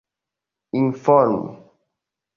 informo